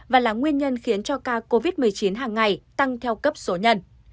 và là nguyên nhân khiến cho ca covid một mươi chín hàng ngày tăng theo cấp số nhân